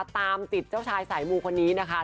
ตามติดเจ้าชายสายมูคนนี้นะคะ